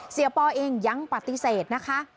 ปอเองยังปฏิเสธนะคะ